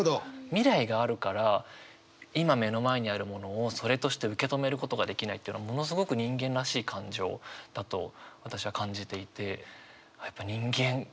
未来があるから今目の前にあるものをそれとして受け止めることができないっていうのものすごく人間らしい感情だと私は感じていて。